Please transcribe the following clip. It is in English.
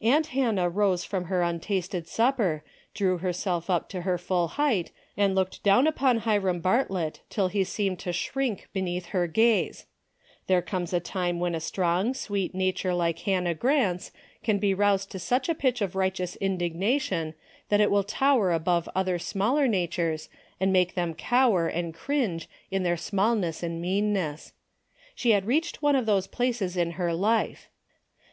Aunt Hannah rose from her untasted supper, drew herself up to her full height and looked down upon Hiram Bartlett till he seemed to shrink beneath her glance. There comes a time when a strong sweet nature like Hannah Grant's can be roused to such a pitch of right eous indignation that it will tower above other smaller natures and make them cower and cringe in their smallness and meanness. She had reached one of those places in her life.